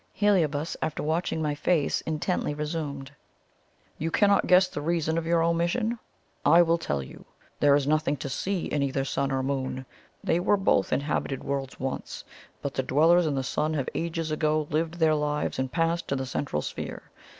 Heliobas, after watching my face intently, resumed: "You cannot guess the reason of your omission? I will tell you. There is nothing to see in either Sun or Moon. They were both inhabited worlds once; but the dwellers in the Sun have ages ago lived their lives and passed to the Central Sphere.